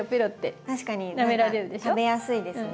何か食べやすいですね。